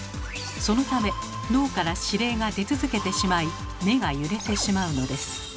そのため脳から指令が出続けてしまい目が揺れてしまうのです。